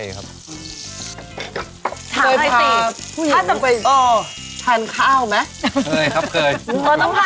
พวกส้มตำพวกอะไรอย่างนี้เนอะ